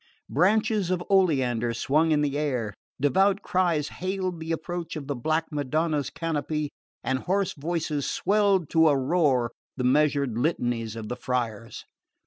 Branches of oleander swung in the air, devout cries hailed the approach of the Black Madonna's canopy, and hoarse voices swelled to a roar the measured litanies of the friars.